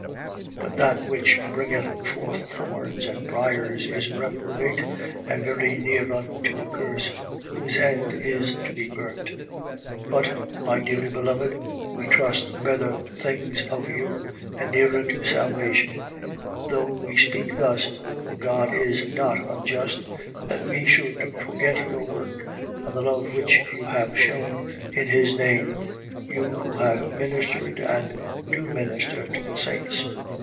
6:8. But that which bringeth forth thorns and briers is reprobate and very near unto a curse: whose end is to be burnt. 6:9. But, my dearly beloved, we trust better things of you, and nearer to salvation; though we speak thus. 6:10. For God is not unjust, that he should forget your work and the love which you have shewn in his name, you who have ministered and do minister to the saints.